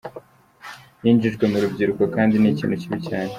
Yinjijwe mu rubyiruko kandi ni ikintu kibi cyane.